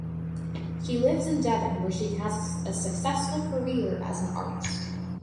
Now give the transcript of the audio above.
She lives in Devon where she has a successful career as an artist.